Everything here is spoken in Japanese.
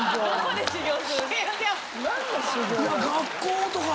いや学校とかなあ？